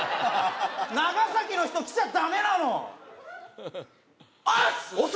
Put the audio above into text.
長崎の人来ちゃダメなの押忍！